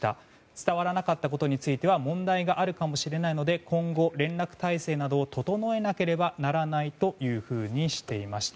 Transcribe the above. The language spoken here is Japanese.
伝わらなかったことについては問題があるかもしれないので今後、連絡体制などを整えなければならないというふうにしていました。